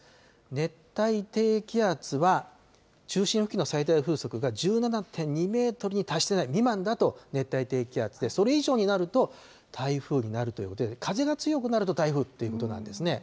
熱帯低気圧は、中心付近の最大風速が１７．２メートルに達してない、未満だと熱帯低気圧で、それ以上になると、台風になるということで、風が強くなると台風ということなんですね。